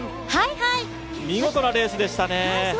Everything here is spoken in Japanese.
見事なレースでしたね。